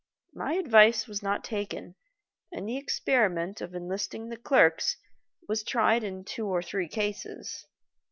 My advice was not taken and the experiment of enlisting the clerks was tried in two or three cases.